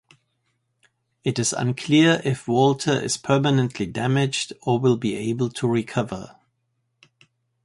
It is unclear if Walter is permanently damaged or will be able to recover.